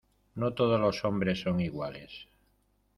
no todos los hombres son iguales...